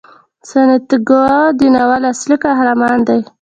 سانتیاګو د ناول اصلي قهرمان دی.